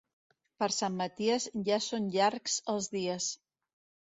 Per Sant Maties ja són llargs els dies.